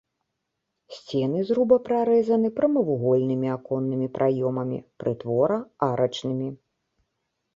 Сцены зруба прарэзаны прамавугольнымі аконнымі праёмамі, прытвора-арачнымі.